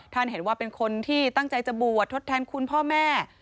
เห็นว่าเป็นคนที่ตั้งใจจะบวชทดแทนคุณพ่อแม่